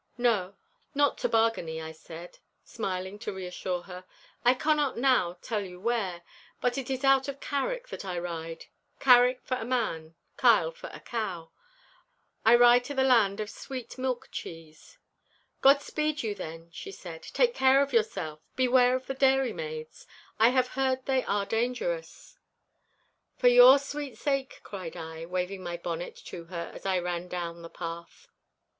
'Not to Bargany,' I said, smiling to reassure her. 'I cannot now tell you where, but it is out of Carrick that I ride—Carrick for a man—Kyle for a cow. I ride to the land of sweet milk cheese!' 'God speed you, then,' she said. 'Take care of yourself—beware of the dairymaids. I have heard they are dangerous.' 'For your sweet sake,' cried I, waving my bonnet to her as I ran down the path.